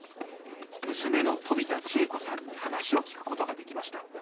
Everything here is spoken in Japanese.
娘の飛田千枝子さんに話を聞くことができました。